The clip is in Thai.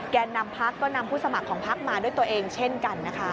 นำพักก็นำผู้สมัครของพักมาด้วยตัวเองเช่นกันนะคะ